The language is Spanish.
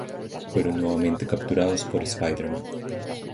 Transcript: Fueron nuevamente capturados por Spider-Man.